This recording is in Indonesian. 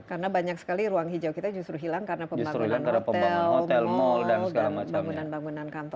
karena banyak sekali ruang hijau kita justru hilang karena pembangunan hotel mall dan segala macamnya